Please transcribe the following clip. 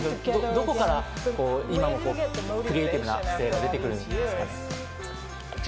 どこから今もクリエーティブな姿勢が出てくるんですか？